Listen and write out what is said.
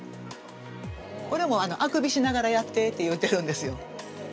これも「あくびしながらやって」って言うてるんですよ。